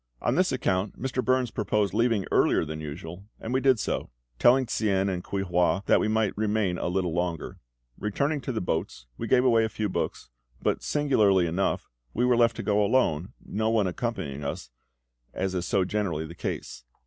On this account Mr. Burns proposed leaving earlier than usual, and we did so, telling Tsien and Kuei hua that they might remain a little longer. Returning to the boats, we gave away a few books; but, singularly enough, were left to go alone, no one accompanying us, as is so generally the case.